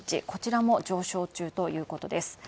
こちらも上昇中ということです。